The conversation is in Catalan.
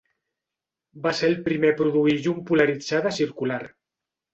Va ser el primer a produir llum polaritzada circular.